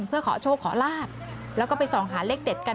เพื่อขอโชคขอลาบแล้วก็ไปส่องหาเลขเด็ดกัน